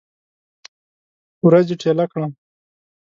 ورځې ټیله کړم